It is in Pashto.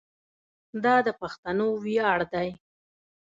دا د پښتنو ویاړ دی.